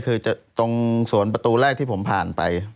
คือตรงสวนประตูแรกที่ผมผ่านไป